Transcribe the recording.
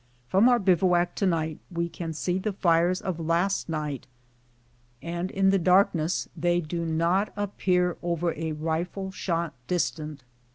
From our bivouac to night we can see the fires of last night, and in the darkness they do not 236 ' COCHETOPE PASS. appear over a rifle sliot distant.